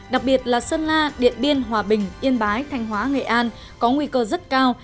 đặc biệt là sơn la điện biên hòa bình yên bái thanh hóa nghệ an có nguy cơ rất cao